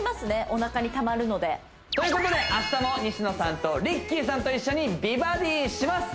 お腹にたまるのでということで明日も西野さんとＲＩＣＫＥＹさんと一緒に美バディします